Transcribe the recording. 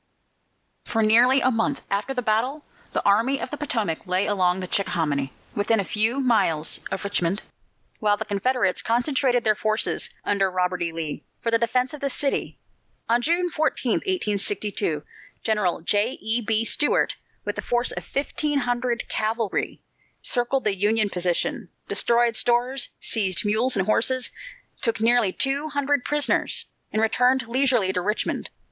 For nearly a month after this battle, the Army of the Potomac lay along the Chickahominy, within a few miles of Richmond, while the Confederates concentrated their forces, under Robert E. Lee, for the defence of the city. On June 14, 1862, General J. E. B. Stuart, with a force of fifteen hundred cavalry, circled the Union position, destroyed stores, seized mules and horses, took nearly two hundred prisoners, and returned leisurely to Richmond.